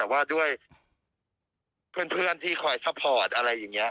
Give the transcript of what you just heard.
แต่ว่าด้วยเพื่อนที่คอยซัพพอร์ตอะไรอย่างนี้